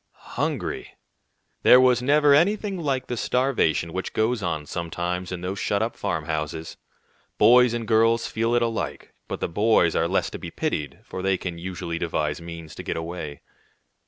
Hungry! There never was anything like the starvation which goes on sometimes in those shut up farmhouses. Boys and girls feel it alike; but the boys are less to be pitied, for they can usually devise means to get away.